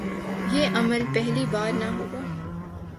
یہ عمل پہلی بار نہ ہو گا۔